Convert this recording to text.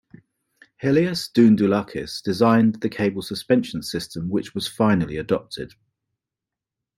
Helias Doundoulakis designed the cable suspension system which was finally adopted.